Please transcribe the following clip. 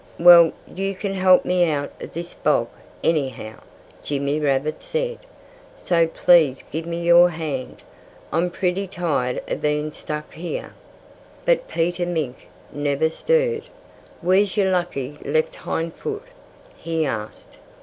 "Well you can help me out of this bog, anyhow," Jimmy Rabbit said. "So please give me your hand. I'm pretty tired of being stuck here." But Peter Mink never stirred. "Where's your lucky left hind foot?" he asked.